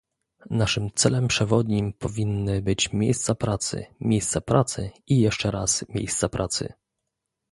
Naszym celem przewodnim powinny być miejsca pracy, miejsca pracy i jeszcze raz miejsca pracy